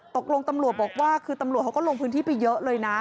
ตำรวจบอกว่าคือตำรวจเขาก็ลงพื้นที่ไปเยอะเลยนะ